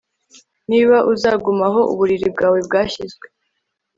Niba uzaguma aho uburiri bwawe bwashyizwe